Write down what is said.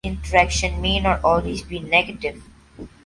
This interaction may not always be negative.